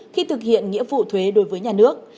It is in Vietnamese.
khi thực hiện nghĩa vụ thuế đối với nhà nước